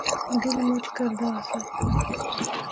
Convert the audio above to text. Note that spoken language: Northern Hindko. دل مُچ کردا آسا۔